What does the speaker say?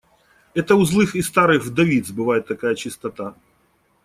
Это у злых и старых вдовиц бывает такая чистота.